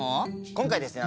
今回ですね